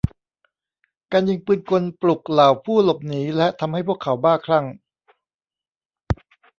การยิงปืนกลปลุกเหล่าผู้หลบหนีและทำให้พวกเขาบ้าคลั่ง